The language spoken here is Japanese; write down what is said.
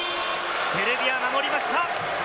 セルビア、守りました。